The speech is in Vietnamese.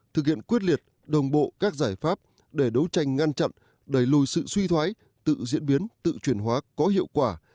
thực hiện quyết liệt đồng bộ các giải pháp để đấu tranh ngăn chặn đẩy lùi sự suy thoái tự diễn biến tự chuyển hóa có hiệu quả